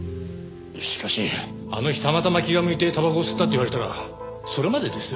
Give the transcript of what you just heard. しかしあの日たまたま気が向いてたばこを吸ったって言われたらそれまでですよ。